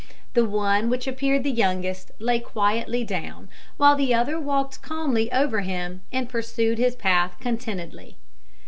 The one which appeared the youngest lay quietly down, while the other walked calmly over him, and pursued his path contentedly.